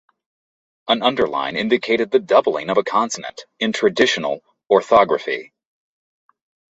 An underline indicated the doubling of a consonant in traditional orthography.